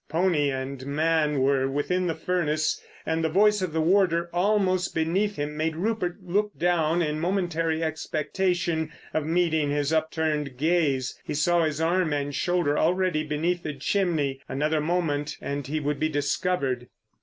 Pony and man were within the furnace, and the voice of the warder almost beneath him made Rupert look down in momentary expectation of meeting his upturned gaze; he saw his arm and shoulder already beneath the chimney—another moment he would be discovered.